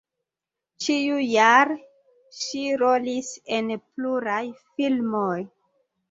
Ĉiujare ŝi rolis en pluraj filmoj.